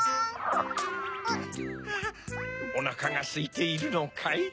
おなかがすいているのかい？